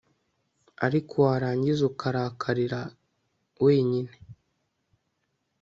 ariko warangiza ukarakarira wenyine